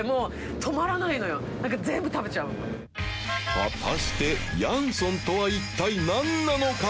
果たしてヤンソンとは一体何なのか？